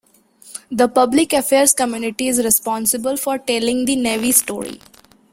The Public Affairs community is responsible for Telling the Navy Story.